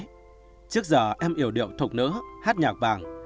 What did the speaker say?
phi nhung là một thục nữ hát nhạc vàng